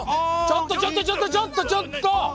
ちょっとちょっとちょっとちょっと！